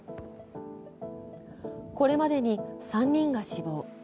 これまでに３人が死亡。